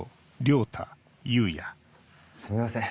すみません